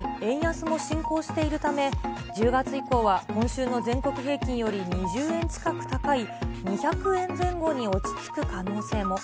さらに円安も進行しているため、１０月以降は今週の全国平均より２０円近く高い２００円前後に落ち着く可能性も。